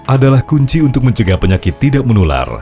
adalah kunci untuk mencegah penyakit tidak menular